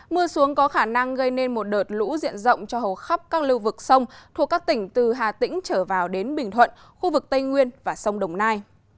mưa xuống có khả năng gây nên một đợt lũ diện rộng cho hầu khắp các lưu vực sông thuộc các tỉnh từ hà tĩnh trở vào đến bình thuận khu vực tây nguyên và sông đồng nai